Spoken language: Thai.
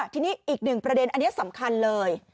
ทีนี้อีกหนึ่งประเด็นอันนี้สำคัญเลย